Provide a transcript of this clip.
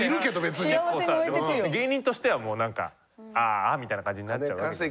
結構さでも芸人としてはもうなんかああみたいな感じになっちゃうわけじゃん。